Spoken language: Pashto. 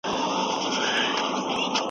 زموږ هویت په زموږ په تاریخ کي دی.